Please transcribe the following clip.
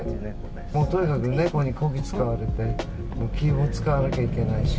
「もうとにかく猫にこき使われて気を使わなきゃいけないし」